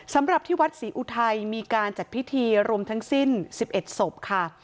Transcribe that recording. สำหรับที่วัดศรีอุทัยมีการจัดพิธีรวมทั้งสิ้น๑๑ศพค่ะ